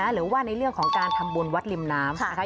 หรือว่าในเรื่องของการทำบุญวัดริมน้ำนะคะ